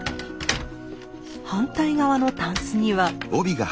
反対側のタンスには。